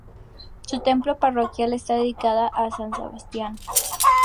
Su templo parroquial está dedicado a San Sebastián.